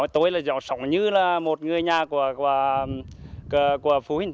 tôi sống như là một người nhà của phụ huynh